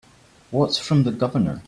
What's from the Governor?